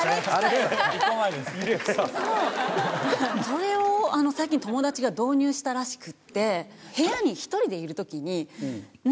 それを最近友達が導入したらしくて部屋に１人でいる時に。